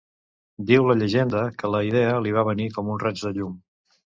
Diu la llegenda que la idea li va venir "com un raig de llum".